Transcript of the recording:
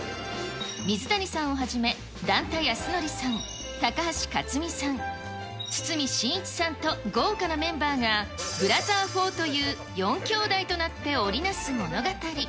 水谷さんをはじめ、段田安則さん、高橋克実さん、堤真一さんと豪華なメンバーが、ブラザー４という４兄弟となって織り成す物語。